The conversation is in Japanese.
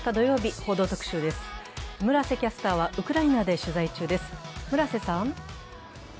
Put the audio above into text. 村瀬キャスターはウクライナで取材中です。